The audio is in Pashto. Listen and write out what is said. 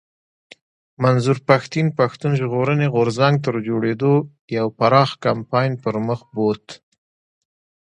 منظور پښتين پښتون ژغورني غورځنګ تر جوړېدو يو پراخ کمپاين پر مخ بوت